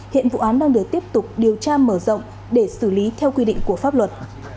hiện vụ án đang được tiếp tục điều tra mở rộng để xử lý theo quy định của pháp luật